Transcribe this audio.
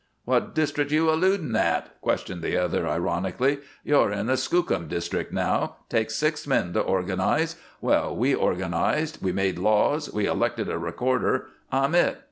"What district you alludin' at?" questioned the other, ironically. "You're in the Skookum District now. It takes six men to organize. Well! We organized. We made laws. We elected a recorder. I'm it.